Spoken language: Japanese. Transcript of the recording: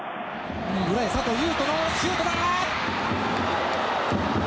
佐藤勇人のシュートだ。